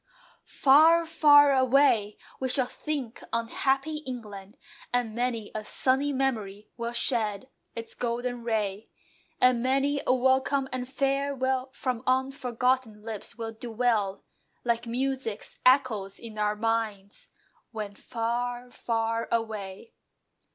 Far, far away! We shall think on "happy England," And many a "sunny memory" will shed its golden ray, And many a welcome and farewell From unforgotten lips will dwell Like music's echoes in our minds When far, far away.